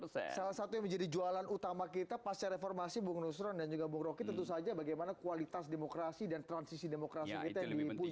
salah satu yang menjadi jualan utama kita pasca reformasi bung nusron dan juga bung roky tentu saja bagaimana kualitas demokrasi dan transisi demokrasi kita yang diputus